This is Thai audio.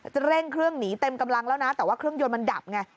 เร่งเครื่องหนีเต็มกำลังแล้วนะแต่ว่าเครื่องยนต์มันดับไง